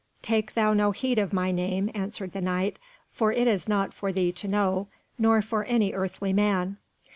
"Take thou no heed of my name," answered the Knight, "for it is not for thee to know, nor for any earthly man."